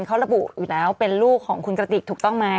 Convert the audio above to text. เขาระบุอยู่แล้วเป็นลูกของคุณกระติกถูกต้องไหม